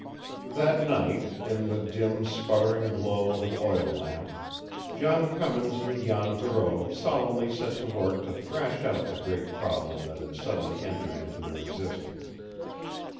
That night, in the dim, sputtering glow of an oil lamp, John Cummins and Jan Thoreau solemnly set to work to thrash out the great problem that had suddenly entered into their existence.